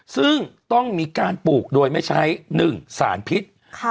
ซึ่งต้องมีการปลูกโดยไม่ใช้๑สารพิษ